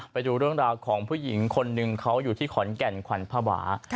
ไปดูเรื่องราวของผู้หญิงคนหนึ่งเขาอยู่ที่ขอนแก่นขวัญภาวะ